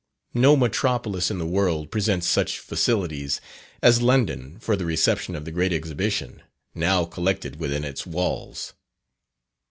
No metropolis in the world presents such facilities as London for the reception of the Great Exhibition, now collected within its walls.